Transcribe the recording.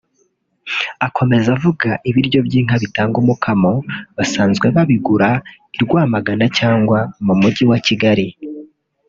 Akomeza avuga ibiryo by’inka bitanga umukamo basanzwe babigura i Rwamagana cyangwa mu mujyi wa Kigali